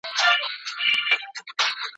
هسي نه ده چي د ظلم یا د غلا دي